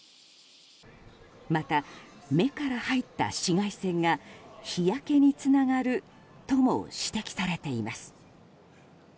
また、目から入った紫外線が日焼けにつながるとも指摘されています。